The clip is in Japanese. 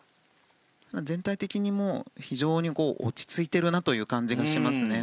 全体的に非常に落ち着いているなという感じがしますね。